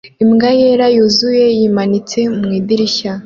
Imbwa yera yuzuye yimanitse mu idirishya